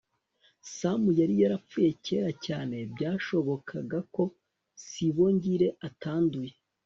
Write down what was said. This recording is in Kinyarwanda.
sam yari yarapfuye kera cyane. byashobokaga ko sibongile atanduye